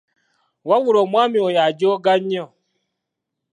Wabula omwami oyo ajooga nnyo.